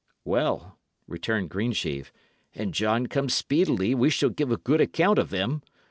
"Well," returned Greensheve, "an John come speedily, we shall give a good account of them.